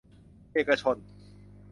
เอกชน